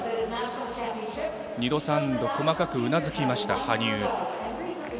２度、３度細かくうなずいた羽生。